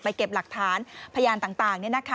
เก็บหลักฐานพยานต่าง